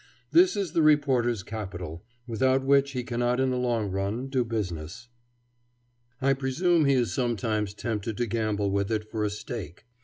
This is the reporter's capital, without which he cannot in the long run do business. I presume he is sometimes tempted to gamble with it for a stake.